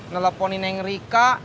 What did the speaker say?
ngeleponin yang rika